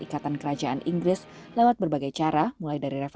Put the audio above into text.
monarki adalah legasi dari kolonialisme